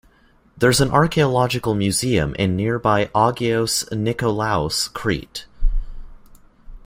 There's an Archaeological Museum in nearby Agios Nikolaos, Crete.